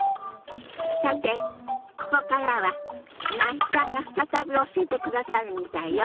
さてここからは那須さんが再び教えてくださるみたいよ。